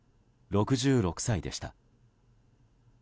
６６歳でした。